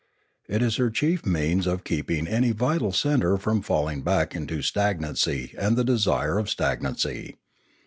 It is her chief means of keeping any vital centre from falling back into stagnancy and the desire of stagnancy.